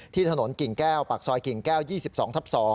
ถนนกิ่งแก้วปากซอยกิ่งแก้ว๒๒ทับ๒